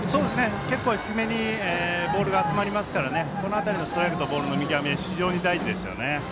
低めにボールが集まりますからこの辺りのストライクとボールの見極め、非常に大事ですね。